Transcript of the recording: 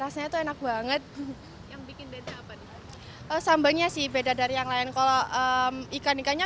rasanya tuh enak banget yang bikin beda apa nih sambalnya sih beda dari yang lain kalau ikan ikannya